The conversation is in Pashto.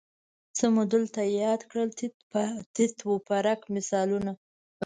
څه مو دلته یاد کړل تیت و پرک مثالونه وو